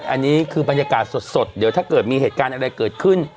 อันนี้คือบรรยากาศสดเดี๋ยวถ้าเกิดมีเหตุการณ์อะไรเกิดขึ้น